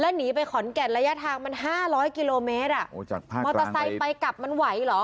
แล้วหนีไปขอนแก่นระยะทางมัน๕๐๐กิโลเมตรนี้หรอ